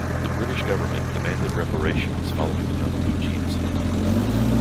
The British government demanded reparations following the Namamugi Incident.